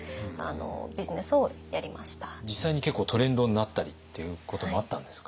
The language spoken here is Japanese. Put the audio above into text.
実際に結構トレンドになったりっていうこともあったんですか？